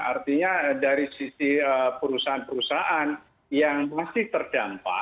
artinya dari sisi perusahaan perusahaan yang masih terdampak